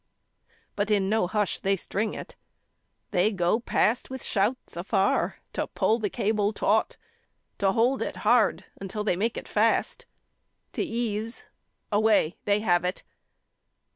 But in no hush they string it: they go past With shouts afar to pull the cable taut, To hold it hard until they make it fast, To ease away they have it.